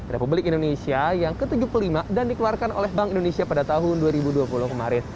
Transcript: republik indonesia yang ke tujuh puluh lima dan dikeluarkan oleh bank indonesia pada tahun dua ribu dua puluh kemarin